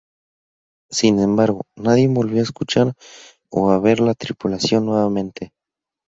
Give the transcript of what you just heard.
Sin embargo, nadie volvió a escuchar o a ver la tripulación nuevamente.